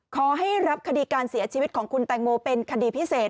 ขอให้รับคดีการเสียชีวิตของคุณแตงโมเป็นคดีพิเศษ